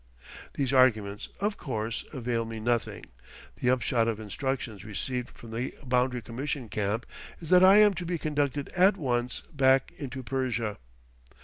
These arguments, of course, avail me nothing; the upshot of instructions received from the Boundary Commission camp, is that I am to be conducted at once back into Persia.